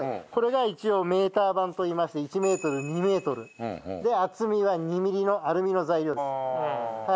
これが一応メーター板といいまして１メートル２メートル厚みが２ミリのアルミの材料です。